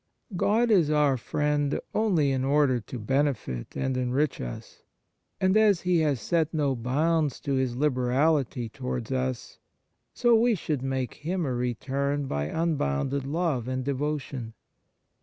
God is our Friend only in order to benefit and enrich us; and as He has set no bounds to His liberality towards us, so we should make Him a return by un bounded love and devotion.